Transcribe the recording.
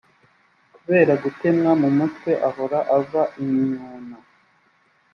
kubera gutemwa mu mutwe, ahora ava imyuna